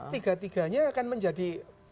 tiga tiganya akan menjadi